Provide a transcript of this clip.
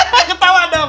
yang ketawa dong